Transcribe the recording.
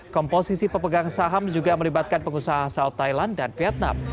komposisi pepegang saham juga melibatkan pengusaha sel thailand dan vietnam